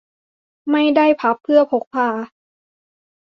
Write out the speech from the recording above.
ไม่ได้พับเพื่อพกพา